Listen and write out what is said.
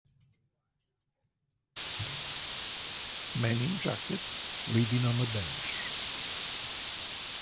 Man in jacket reading on a bench.